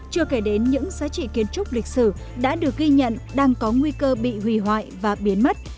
chưa kể đến những giá trị kiến trúc lịch sử đã được ghi nhận đang có nguy cơ bị hủy hoại và biến mất